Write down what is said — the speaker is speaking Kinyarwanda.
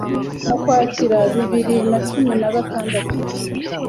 mu Ukwakira bibiri na cumin a gatandatu